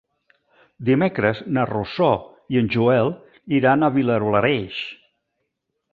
Dimecres na Rosó i en Joel iran a Vilablareix.